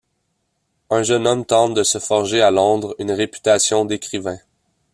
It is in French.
Un jeune homme tente de se forger à Londres une réputation d'écrivain.